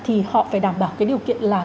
thì họ phải đảm bảo cái điều kiện là